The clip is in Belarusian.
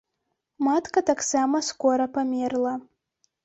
Матка таксама скора памерла.